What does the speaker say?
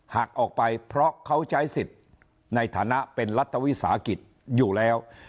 หากออกไปเพราะเขาใช้สิทธิ์ในฐานะเป็นรัฐวิสาหกิจอยู่แล้ว